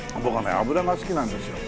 脂が好きなんですよ。